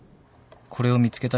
「これを見つけた人へ」